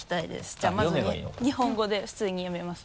じゃあまず日本語で普通に読みますね。